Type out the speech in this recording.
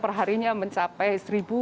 perharinya mencapai satu dua ratus lima puluh